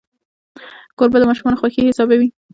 کوربه د ماشومانو خوښي حسابوي.